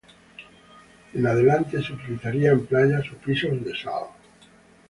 En adelante, se utilizarían playas o pisos de sal.